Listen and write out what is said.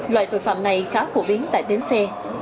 loại tội phạm này khá phổ biến tại bến xe